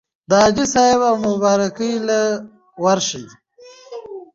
د حاجي صېب اومبارکۍ له ورشه